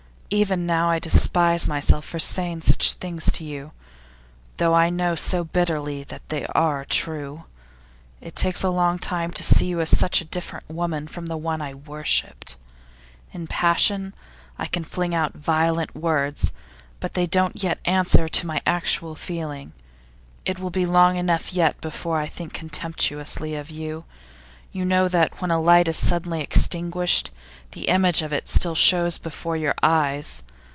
Even now, I despise myself for saying such things of you, though I know so bitterly that they are true. It takes a long time to see you as such a different woman from the one I worshipped. In passion, I can fling out violent words, but they don't yet answer to my actual feeling. It will be long enough yet before I think contemptuously of you. You know that when a light is suddenly extinguished, the image of it still shows before your eyes.